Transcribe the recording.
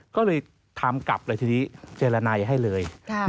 ก็เลยทำกลับเลยทีนี้เจรนัยให้เลย